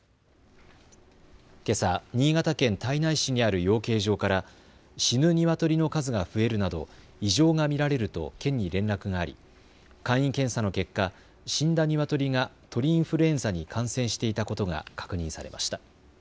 けさ、新潟県胎内市にある養鶏場から死ぬニワトリの数が増えるなど異常が見られると県に連絡があり簡易検査の結果、死んだニワトリが鳥インフルエンザに感染していたことが確認されました。